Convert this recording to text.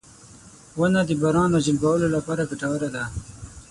• ونه د باران راجلبولو لپاره ګټوره ده.